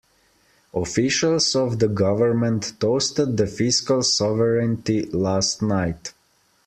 Officials of the government toasted the fiscal sovereignty last night.